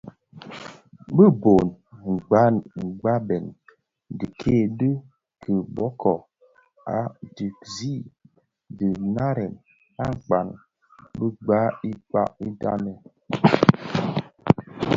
Bi bhon nghabèn dikèè di kiboboo a tsèzii diňarèn akpaň bi gba i kpak dhitin.